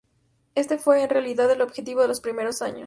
Éste fue, en realidad, el objetivo de los primeros años.